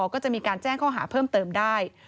ก็จะมีการแจ้งข้อหาเพิ่มเติมได้